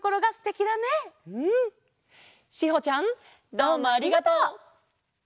どうもありがとう！